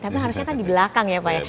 tapi harusnya kan di belakang ya pak ya